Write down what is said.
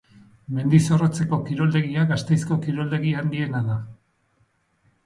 Mendizorrotzeko kiroldegia Gasteizko kiroldegi handiena da.